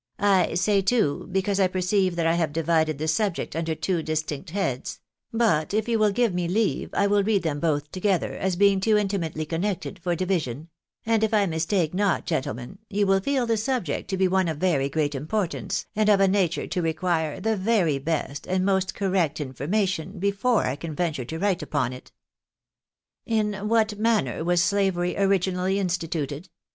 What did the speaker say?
" I say two, because I perceive that I have divided the subject under two distinct heads ; but, if you will give me leave, I will read tliem both together, as being too intimately connected for division ; and if I mistake not, gentlemen, you will feel the subject to be one of very great importance, and of a nature to require the very best and most correct information before I can venture to writ«i upon it — A STARTLING OEATOR. 141 "' In what manner was slavery originally instituted